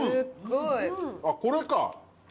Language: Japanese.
あっこれか！